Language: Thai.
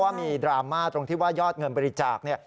มีดราม่าตรงที่ว่ายอดเงินบริจาค